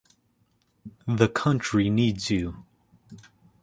'The country needs you'.